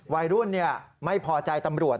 วัยรุ่นไม่พอใจตำรวจ